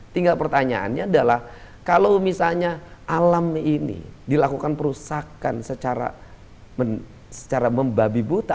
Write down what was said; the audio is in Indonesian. tinggal pertanyaannya adalah kalau misalnya alam ini dilakukan perusahaan secara membabi buta